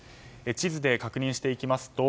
地図で確認していきます。